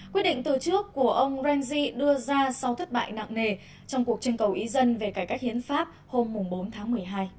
quyết định từ trước của ông rengji đưa ra sau thất bại nặng nề trong cuộc trưng cầu ý dân về cải cách hiến pháp hôm bốn tháng một mươi hai